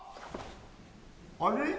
あれ？